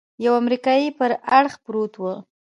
يوه امريکايي پر اړخ پروت و.